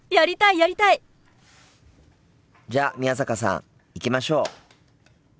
やりたい！じゃ宮坂さん行きましょう。